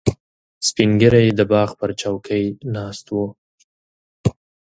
سپین ږیری د باغ پر چوکۍ ناست و.